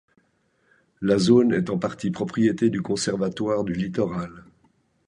La zone est en partie propriété du Conservatoire du littoral.